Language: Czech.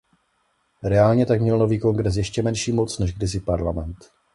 Reálně tak měl nový kongres ještě menší moc než kdysi parlament.